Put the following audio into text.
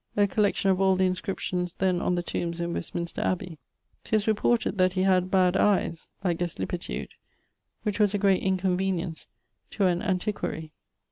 A Collection of all the Inscriptions then on the Tombes in Westminster Abbey. 'Tis reported, that he had bad eies (I guesse lippitude) which was a great inconvenience to an antiquary.